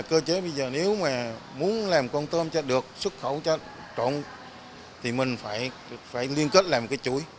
cơ chế bây giờ nếu mà muốn làm con tôm cho được xuất khẩu cho trộn thì mình phải liên kết làm cái chuỗi